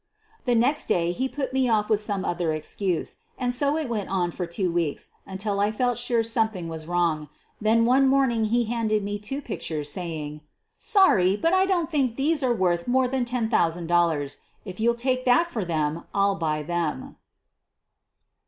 The next day he put me off with some other excuse, and so it went on for two weeks until I felt sure something was vvrong. Then one morning he handed me two pic tures, saying: " Sorry, but I don't think these are worth more than $10,000. If you'll take that for them, I'll buy them."